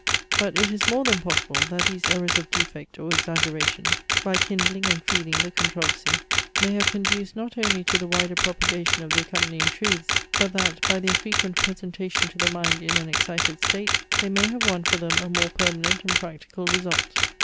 But it is more than possible, that these errors of defect or exaggeration, by kindling and feeding the controversy, may have conduced not only to the wider propagation of the accompanying truths, but that, by their frequent presentation to the mind in an excited state, they may have won for them a more permanent and practical result.